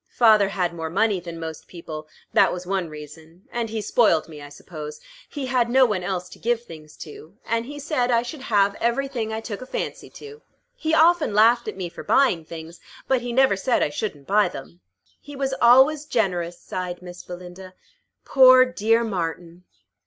Father had more money than most people; that was one reason; and he spoiled me, I suppose. He had no one else to give things to, and he said I should have every thing I took a fancy to. He often laughed at me for buying things, but he never said I shouldn't buy them." "He was always generous," sighed Miss Belinda. "Poor, dear Martin!"